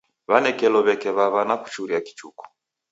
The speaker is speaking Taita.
W'anekelo w'eke w'aw'a na kuchuria kichuku.